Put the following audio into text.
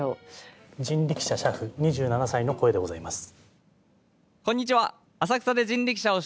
人力車俥夫２７歳の声でございます。